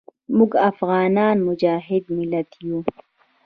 موږ افغانان مجاهد ملت یو.